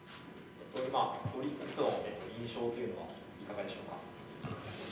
オリックスの印象というのは、いかがでしょうか。